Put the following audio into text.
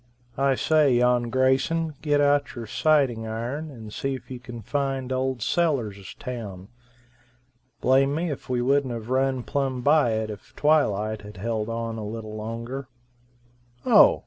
I say, yon Grayson, get out your sighting iron and see if you can find old Sellers' town. Blame me if we wouldn't have run plumb by it if twilight had held on a little longer. Oh!